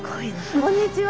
こんにちは。